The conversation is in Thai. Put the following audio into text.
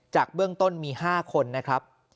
เบื้องต้นมี๕คนนะครับ